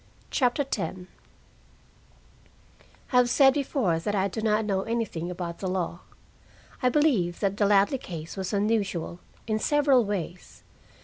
CHAPTER X I have said before that I do not know anything about the law. I believe that the Ladley case was unusual, in several ways.